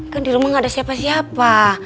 kan di rumah gak ada siapa siapa